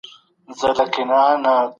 مرکزي بانک د پیسو ارزښت ساتي.